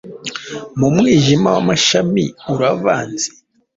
Mumwijima wamashami uravanze?